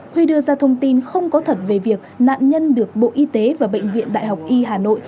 huy đưa ra thông tin không có thật về việc nạn nhân được bộ y tế và bệnh viện đại học y hà nội